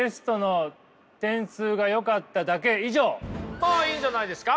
ああいいんじゃないですか。